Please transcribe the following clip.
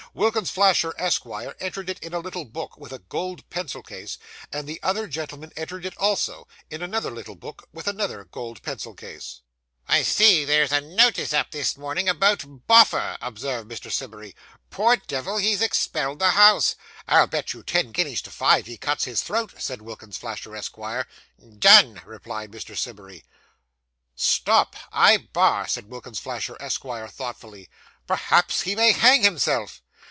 Wilkins Flasher, Esquire, entered it in a little book, with a gold pencil case, and the other gentleman entered it also, in another little book with another gold pencil case. 'I see there's a notice up this morning about Boffer,' observed Mr. Simmery. 'Poor devil, he's expelled the house!' 'I'll bet you ten guineas to five, he cuts his throat,' said Wilkins Flasher, Esquire. 'Done,' replied Mr. Simmery. 'Stop! I bar,' said Wilkins Flasher, Esquire, thoughtfully. 'Perhaps he may hang himself.